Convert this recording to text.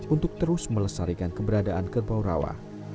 untuk terus melestarikan keberadaan kerbau rawa